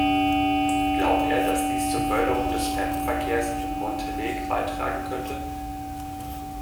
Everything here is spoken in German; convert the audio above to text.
Glaubt er, dass dies zur Förderung des Fremdenverkehrs in Montenegbeitragen könnte?